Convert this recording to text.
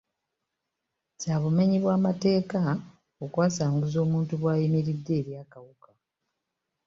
Kya bumenyi bw'amateeka okwasanguza omuntu bw'ayimiridde eri akawuka.